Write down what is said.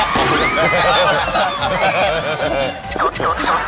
ขนแรก